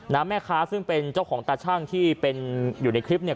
แม่ค้าซึ่งเป็นเจ้าของตาชั่งที่เป็นอยู่ในคลิปเนี่ย